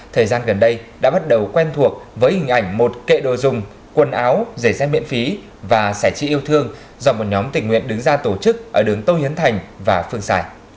thời gian gần đây đã bắt đầu quen thuộc với hình ảnh một kệ đồ dùng quần áo giày xe miễn phí và sẻ trị yêu thương do một nhóm tình nguyện đứng ra tổ chức ở đường tô hiến thành và phương xài